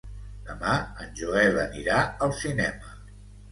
Demà en Joel anirà al cinema.